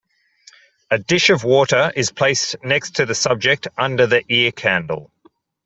A dish of water is placed next to the subject under the ear candle.